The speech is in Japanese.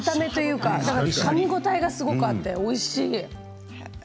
かみ応えがしっかりあっておいしい。